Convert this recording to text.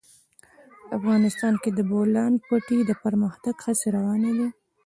افغانستان کې د د بولان پټي د پرمختګ هڅې روانې دي.